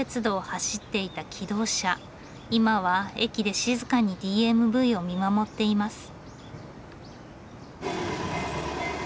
今は駅で静かにＤＭＶを見守っています。